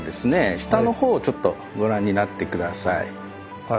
下のほうをちょっとご覧になって下さい。